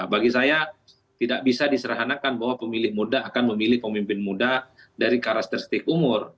bagi saya tidak bisa diserahanakan bahwa pemilih muda akan memilih pemimpin muda dari karakteristik umur